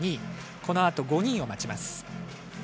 このあと５人を待ちます。